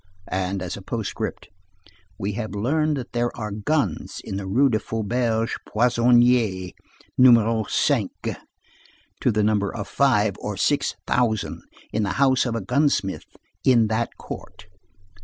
And, as a postscript:— We have learned that there are guns in the Rue du Faubourg Poissonnière, No. 5 [bis], to the number of five or six thousand, in the house of a gunsmith in that court.